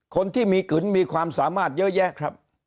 คนที่มีกึนมีความสามารถเยอะแยะครับ